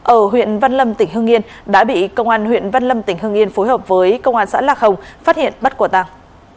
ở huyện văn lâm tỉnh hương yên đã bị công an huyện văn lâm tỉnh hưng yên phối hợp với công an xã lạc hồng phát hiện bắt quả tàng